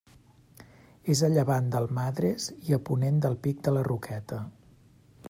És a llevant del Madres i a ponent del Pic de la Roqueta.